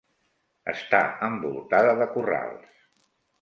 Està envoltada de corrals.